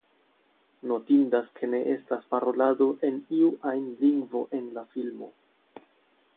Notindas ke ne estas parolado en iu ajn lingvo en la filmo.